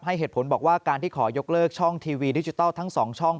เหตุผลบอกว่าการที่ขอยกเลิกช่องทีวีดิจิทัลทั้ง๒ช่อง